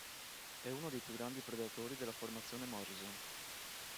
È uno dei più grandi predatori della Formazione Morrison.